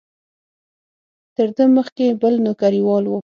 تر ده مخکې بل نوکریوال و.